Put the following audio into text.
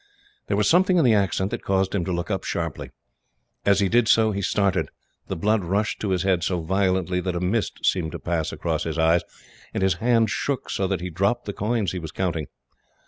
There was something in the accent that caused him to look up sharply. As he did so, he started. The blood rushed to his head so violently that a mist seemed to pass across his eyes, and his hand shook so that he dropped the coins he was counting.